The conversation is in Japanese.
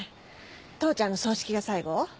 父ちゃんの葬式が最後？